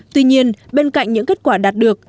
tuy nhiên bên cạnh những kết quả đạt được